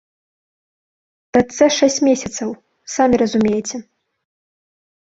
Дачцэ шэсць месяцаў, самі разумееце.